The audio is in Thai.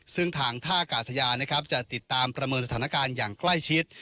ซึ่งทางท่ากาศยานะครับจะติดตามประเมินสถานการณ์อย่างใกล้ชิด